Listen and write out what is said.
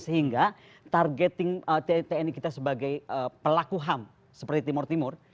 sehingga targeting tni kita sebagai pelaku ham seperti timur timur